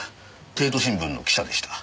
帝都新聞の記者でした。